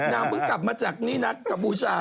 น้ำเพิ่งกลับมาจากนี่นัดกับบูชานะ